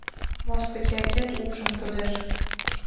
Моско тиякет упшым тодеш